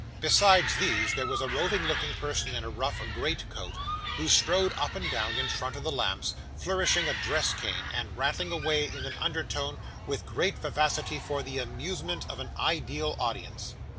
Besides these, there was a roving looking person in a rough great coat, who strode up and down in front of the lamps, flourishing a dress cane, and rattling away, in an undertone, with great vivacity for the amusement of an ideal audience.